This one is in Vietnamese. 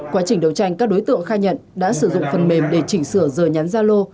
quá trình đấu tranh các đối tượng khai nhận đã sử dụng phần mềm để chỉnh sửa giờ nhắn gia lô